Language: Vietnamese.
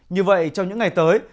như vậy trong những ngày tới